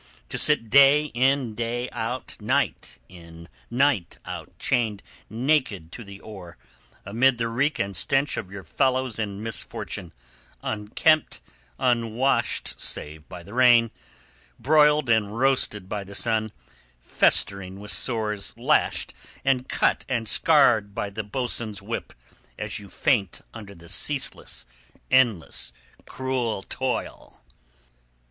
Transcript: to sit day in day out, night in night out, chained naked to the oar, amid the reek and stench of your fellows in misfortune, unkempt, unwashed save by the rain, broiled and roasted by the sun, festering with sores, lashed and cut and scarred by the boatswain's whip as you faint under the ceaseless, endless, cruel toil?"